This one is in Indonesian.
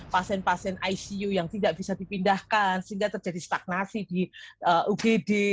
pasien pasien icu yang tidak bisa dipindahkan sehingga terjadi stagnasi di ugd